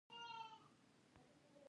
آیا د یوناني درملو کارول لا هم نشته؟